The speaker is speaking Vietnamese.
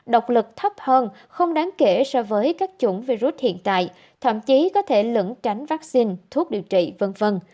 độc lực thấp hơn không đáng kể so với các chủng virus hiện tại thậm chí có thể lẫn tránh vaccine thuốc điều trị v v